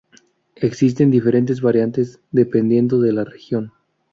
Existen diferentes variantes dependiendo de la región.